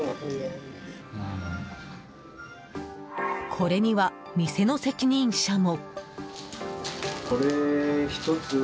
これには店の責任者も。